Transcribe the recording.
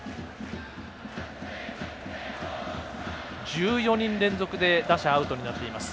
１４人連続で打者アウトになっています。